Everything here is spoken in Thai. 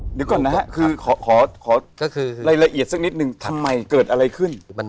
เดี๋ยวก่อนนะฮะคือขอรายละเอียดสักนิดนึงทำไมเกิดอะไรขึ้น